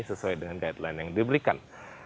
sesuai dengan guideline yang diberikan